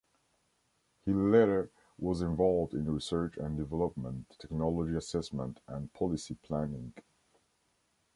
He later was involved in research and development, technology assessment and policy planning.